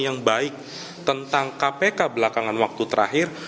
yang baik tentang kpk belakangan waktu terakhir